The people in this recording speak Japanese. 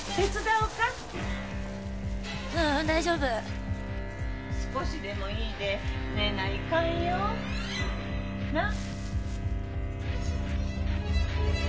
ううん大丈夫少しでもいいで寝ないかんよなっ？